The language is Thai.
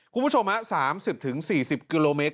คุณผู้ชม๓๐๔๐กิโลเมตร